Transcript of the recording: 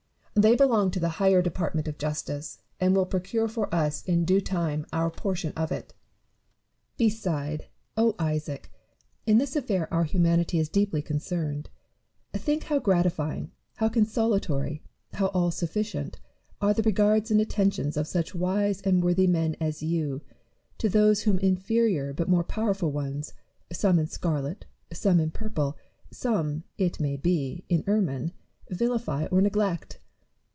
They belong to the higher department of justice, and will procure for us in due time our portion of it. Beside, Isaac ! in this affair our humanity is deeply concerned. Think how gratifying, how consolatory, how all sufficient, are the regards and attentions of such wise and worthy men as you to those whom inferior but more powerful ones, some in scarlet, some in purple, some (it may be) in ermine, vilify or neglect!